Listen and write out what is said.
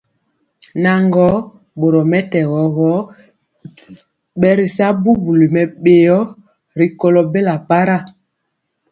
Naŋgɔɔ, boromɛtɛgɔ gɔ, bɛritya bubuli mɛbéo rikɔlɔ bela para,